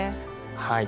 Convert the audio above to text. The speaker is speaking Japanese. はい。